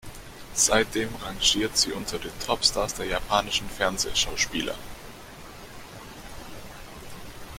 Seitdem rangiert sie unter den Top-Stars der japanischen Fernsehschauspieler.